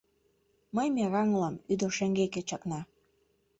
Мый мераҥ улам, — ӱдыр шеҥгеке чакна.